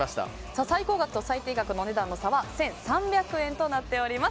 最高額と最低額の金額の差は１３００円となっております。